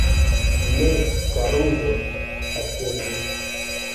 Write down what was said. Ne, karulo, atendu!